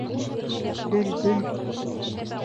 Дөлдөл!